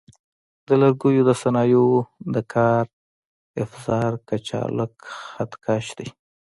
د لرګي د صنایعو د کار افزار کچالک خط کش دی.